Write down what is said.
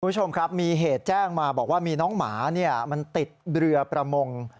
คุณผู้ชมครับมีเหตุแจ้งมาบอกว่ามีน้องหมามันติดเรือประมง